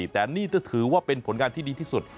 แต่นี่จะถือว่าเป็นผลงานที่ดีที่สุด